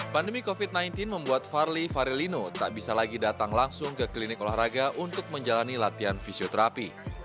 pandemi covid sembilan belas membuat farli farelino tak bisa lagi datang langsung ke klinik olahraga untuk menjalani latihan fisioterapi